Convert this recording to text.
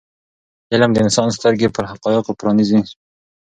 علم د انسان سترګې پر حقایضو پرانیزي.